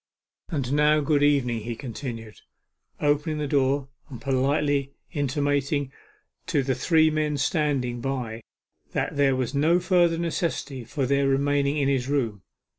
'And now, good evening,' he continued, opening the door and politely intimating to the three men standing by that there was no further necessity for their remaining in his room.